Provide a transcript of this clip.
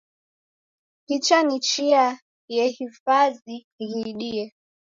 Picha ni chia yehifazi ghiidie